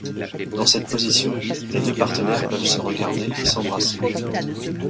Dans cette position, les deux partenaires peuvent se regarder et s'embrasser.